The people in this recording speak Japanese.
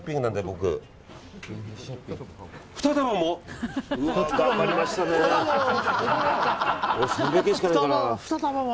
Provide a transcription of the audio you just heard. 僕、３００円しかないからな。